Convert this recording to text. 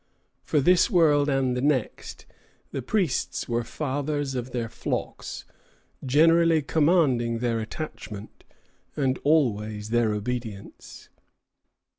For this world and the next, the priests were fathers of their flocks, generally commanding their attachment, and always their obedience.